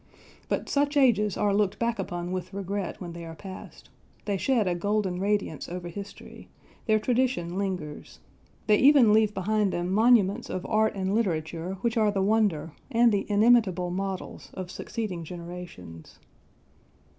But such ages are looked back upon with regret when they are past, they shed a golden radiance over history, their tradition lingers, they even leave behind them monuments of art and literature which are the wonder, and the inimitable models, of succeeding generations.